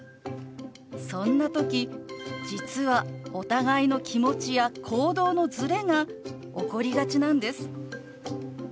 そんな時実はお互いの気持ちや行動のズレが起こりがちなんです。